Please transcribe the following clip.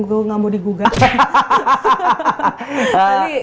gue gak mau digugat